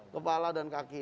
kepala dan kaki